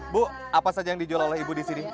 bu apa saja yang dijual oleh ibu di sini